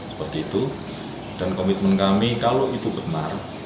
seperti itu dan komitmen kami kalau itu benar